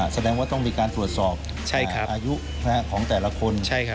แสดงว่าต้องมีการตรวจสอบอายุของแต่ละคน